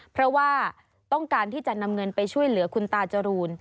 เพราะว่าต้องการที่จะนำเงินไปช่วยเหลือคุณตาจรูน